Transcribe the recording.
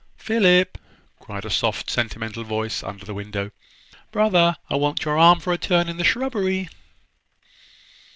"Philip!" cried a soft, sentimental voice under the window: "Brother, I want your arm for a turn in the shrubbery."